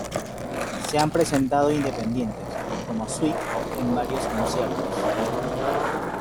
Se han presentado independientes -como suite- en varios conciertos.